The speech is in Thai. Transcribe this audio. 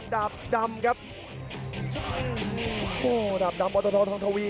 ดาบดำเล่นงานบนเวลาตัวด้วยหันขวา